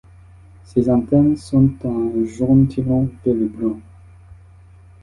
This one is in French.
Ses antennes sont d'un jaune tirant vers le brun.